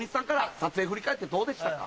撮影振り返ってどうでしたか？